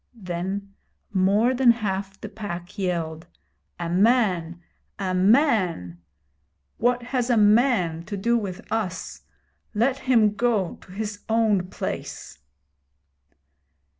Then more than half the Pack yelled: A man! a man! What has a man to do with us? Let him go to his own place.